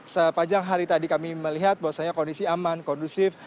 sepanjang hari tadi kami melihat bahwasannya kondisi aman kondusif